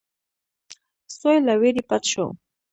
سوی له وېرې پټ شو.